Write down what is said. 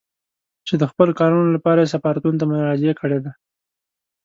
چې د خپلو کارونو لپاره يې سفارتونو ته مراجعه کړې ده.